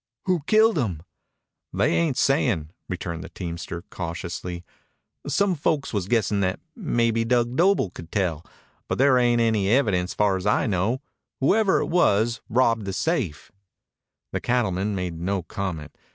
"Who killed him?" "They ain't sayin'," returned the teamster cautiously. "Some folks was guessin' that mebbe Dug Doble could tell, but there ain't any evidence far's I know. Whoever it was robbed the safe." The old cattleman made no comment.